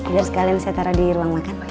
biar sekalian saya taruh di ruang makan